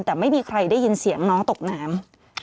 แต่ไม่มีใครได้ยินเสียงน้องตกน้ำ